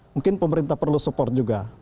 mungkin pemerintah perlu support juga